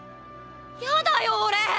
やだよ俺！